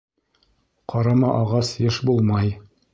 Ҡарама ағас йыш булмай